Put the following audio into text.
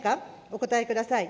お答えください。